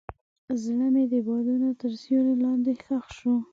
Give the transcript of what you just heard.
زړه مې د بادونو تر سیوري لاندې ښخ شو.